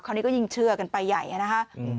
คราวนี้ก็ยิ่งเชื่อกันไปใหญ่นะครับ